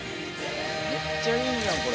めっちゃいいじゃんこれ。